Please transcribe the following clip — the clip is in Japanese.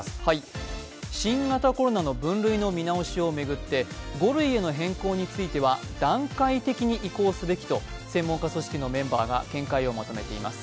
新型コロナの分類の見直しを巡って５類への変更については、段階的に移行すべきと専門家組織のメンバーが見解をまとめています。